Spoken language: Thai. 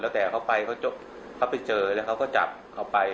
แล้วแต่เขาไปเขาไปเจอแล้วเขาก็จับเขาไป